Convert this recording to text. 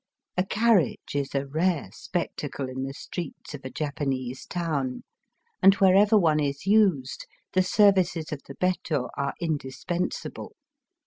A carriage is a rare spectacle in the streets of a Japanese town, and wherever one is used the services of the betto are indispensable.